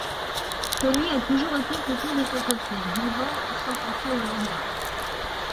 Toni a toujours été plutôt décontracté, vivant sans penser au lendemain.